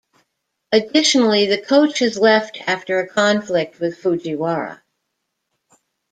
Additionally, the coach has left after a conflict with Fujiwara.